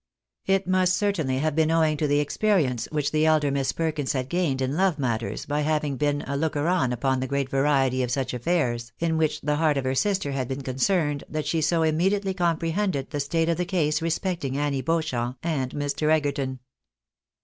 It must certainly have been owing to the experience which the elder Miss Perkins had gained in love matters, by having been a looker on upon the great variety of such affairs in which the heart of her sister had been concerned, that she so immediately comprehended the state of the case respecting Annie Beauchamp and Mr. Egerton.